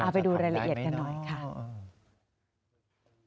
ไปดูรายละเอียดกันหน่อยค่ะอ๋อจะทำได้ไหมอ๋อ